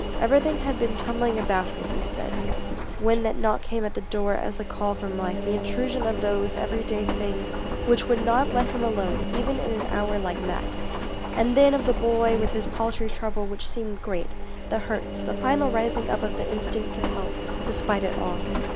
Everything had been tumbling about him, he said, when that knock came at the door as the call from life, the intrusion of those everyday things which would not let him alone, even in an hour like that. And then of the boy with his paltry trouble which seemed great the hurts the final rising up of the instinct to help, despite it all.